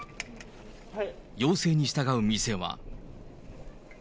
要請に従う店は。